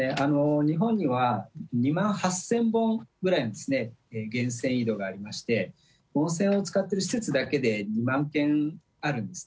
日本には、２万８０００本ぐらいの源泉井戸がありまして、温泉を使っている施設だけで２万軒あるんですね。